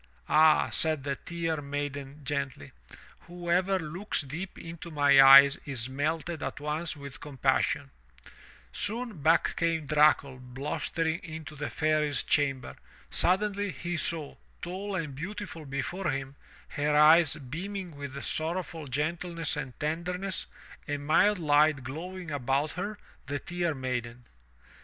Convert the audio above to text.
"Ah," said the Tear Maiden gently, "whoever looks deep into my eyes is melted at once with compassion." Soon, back came Dracul blustering into the Fairy's chamber. Suddenly he saw, tall and beautiful before him, her eyes beaming with sorrowful gentleness and tenderness, a mild light glowing about her — the Tear Maiden.